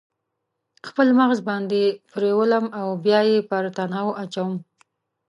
خپل مغز باندې پریولم او بیا یې پر تناو اچوم